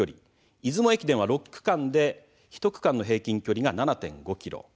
出雲区間は６区間で１区間の平均距離は７．５ｋｍ。